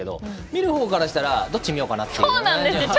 見る方からしたらどっちを見ようかなと。